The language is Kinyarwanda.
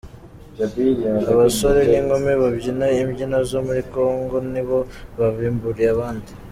Abasore n'inkumi babyina imbyino zo muri Congo ni bo babimburiye abandi.